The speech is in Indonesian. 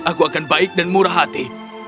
aku akan baik dan murah hati